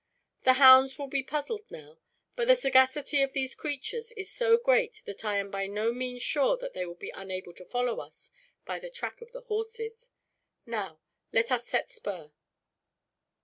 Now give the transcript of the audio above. The hounds will be puzzled now; but the sagacity of these creatures is so great that I am by no means sure that they will be unable to follow us by the track of the horses. Now let us set spur."